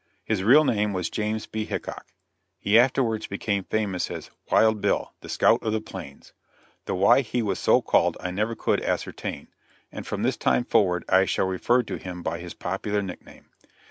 His real name was James B. Hickok; he afterwards became famous as "Wild Bill, the Scout of the Plains" though why he was so called I never could ascertain and from this time forward I shall refer to him by his popular nickname.